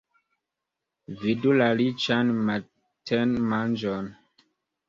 Vidu la riĉan matenmanĝon.